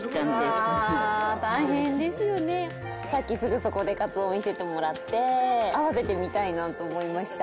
さっきすぐそこでかつお見せてもらって合わせてみたいなと思いました。